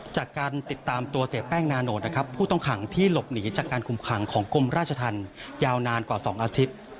จากการติดตามตัวเสียแป้งนาโนตนะครับผู้ต้องขังที่หลบหนีจากการคุมขังของกรมราชธรรมยาวนานกว่า๒อาทิตย์